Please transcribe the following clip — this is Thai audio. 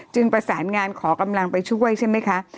ประสานงานขอกำลังไปช่วยใช่ไหมคะ